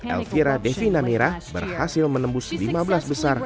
elvira devina mira berhasil menembus lima belas besar